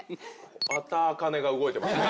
また茜が動いてますね。